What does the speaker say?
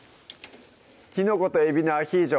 「きのこと海老のアヒージョ」